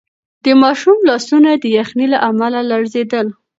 د ماشوم لاسونه د یخنۍ له امله لړزېدل.